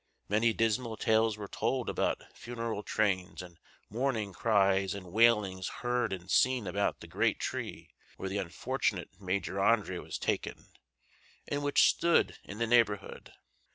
Many dismal tales were told about funeral trains and mourning cries and wailings heard and seen about the great tree where the unfortunate Major Andre was taken, and which stood in the neighborhood.